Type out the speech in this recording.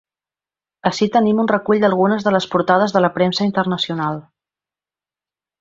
Ací teniu un recull d’algunes de les portades de la premsa internacional.